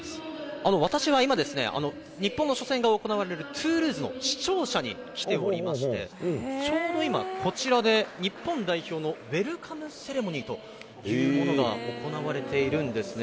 私は今ですね、日本の初戦が行われるトゥールーズの市庁舎に来ておりまして、ちょうど今、こちらで日本代表のウエルカムセレモニーというものが行われているんですね。